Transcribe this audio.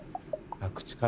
口からも。